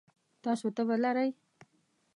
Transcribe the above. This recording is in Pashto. تاسو تبه لرئ؟